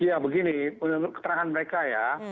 ya begini menurut keterangan mereka ya